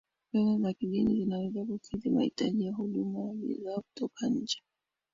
fedha za kigeni zinaweza kukidhi mahitaji ya huduma na bidhaa kutoka nje